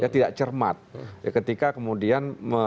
tidak cermat ketika kemudian